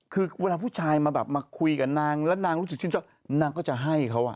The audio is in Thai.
คือเวลาผู้ชายมาแบบมาคุยกับนางแล้วนางรู้สึกชื่นชอบนางก็จะให้เขา